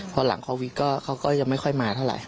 พอหลังโควิดก็เขาก็ยังไม่ค่อยมาเท่าไหร